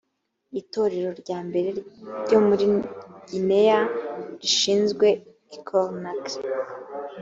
itorero rya mbere ryo muri gineya ryashinzwe i conakry